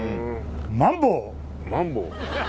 マンボウ？